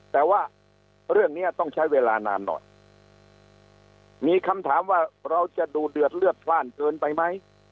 แต่ว่าเรื่องนี้ต้องใช้เวลานานหน่อยมีคำถามว่าเราจะดูเดือดเลือดพลาดเกินไปไหม